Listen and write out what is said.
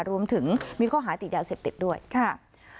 รวมถึงมีข้อหาติดยาเสพติดด้วยค่ะ